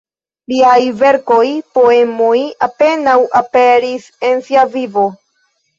Liaj verkoj, poemoj apenaŭ aperis en sia vivo.